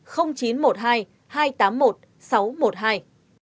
số điện thoại sáu trăm một mươi hai